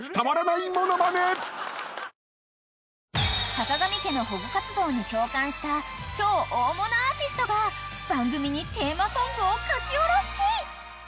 ［さかがみ家の保護活動に共感した超大物アーティストが番組にテーマソングを書き下ろし！］